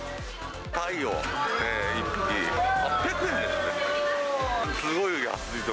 タイを１匹、８００円ですね。